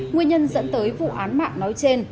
nguyên nhân dẫn tới vụ án mạng nói trên